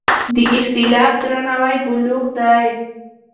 د اختلاف درناوی بلوغ دی